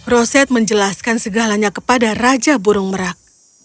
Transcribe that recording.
roset menjelaskan segalanya kepada raja burung merak